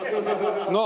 なあ。